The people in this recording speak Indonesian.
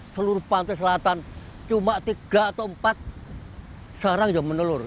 seluruh pantai selatan cuma tiga atau empat sarang yang menelur